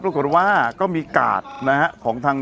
ปรากฏว่าจังหวัดที่ลงจากรถ